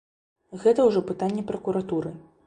Гэта ўжо пытанне пракуратуры.